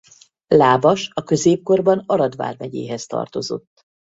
Lábas a középkorban Arad vármegyéhez tartozott.